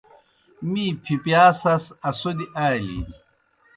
می پھپِیا سَس اسودیْ آلِن۔